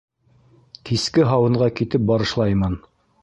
Киске һауынға китеп барышлаймын.